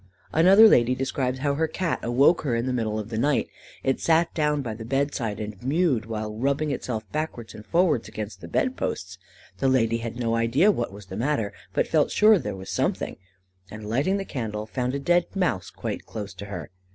Another lady describes how her Cat awoke her in the middle of the night. It sat down by the bed side and mewed, while it rubbed itself backwards and forwards against the bedposts. The lady had no idea what was the matter, but felt sure there was something, and lighting the candle, found a dead mouse quite close to her.